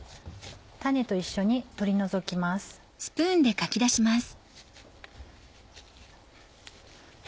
種と一緒に取り除きます。